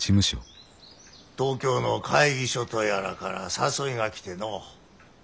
東京の会議所とやらから誘いが来てのう。